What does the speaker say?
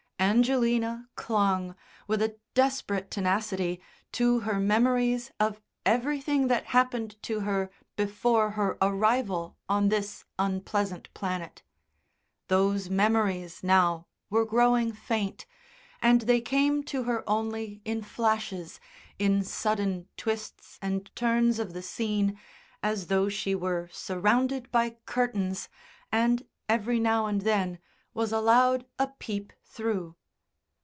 Angelina clung, with a desperate tenacity, to her memories of everything that happened to her before her arrival on this unpleasant planet. Those memories now were growing faint, and they came to her only in flashes, in sudden twists and turns of the scene, as though she were surrounded by curtains and, every now and then, was allowed a peep through.